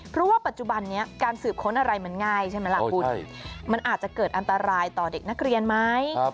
เพราะว่าปัจจุบันนี้การสืบค้นอะไรมันง่ายใช่ไหมล่ะคุณมันอาจจะเกิดอันตรายต่อเด็กนักเรียนไหม